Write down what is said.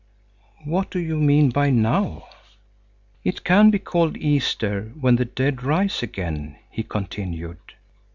"What do you mean by now?" "It can be called Easter, when the dead rise again," he continued.